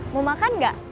mau makan gak